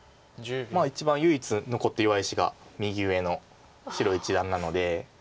一番唯一残ってる弱い石が右上の白一団なので。